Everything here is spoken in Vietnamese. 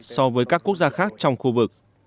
so với các quốc gia khác trong khu vực